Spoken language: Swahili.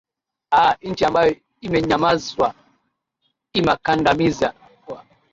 aa nchi ambayo imenyanyazwa imakandamizwa